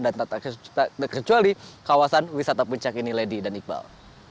dan tak terkecuali kawasan wisata puncak ini lady dan iqbal